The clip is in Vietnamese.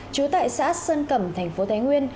chú tại xã sơn cẩm tp thái nguyên